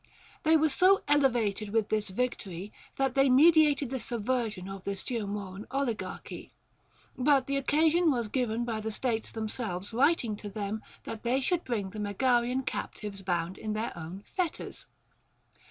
They were so elevated with this victory, that they meditated the subversion of this Geo moran oligarchy ; but the occasion was given by the states themselves writing to them that they should bring the Megarian captives bound in their own fetters.